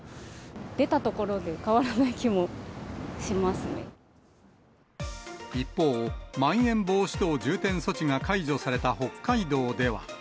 出たところで変わらない気も一方、まん延防止等重点措置が解除された北海道では。